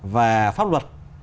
và pháp luật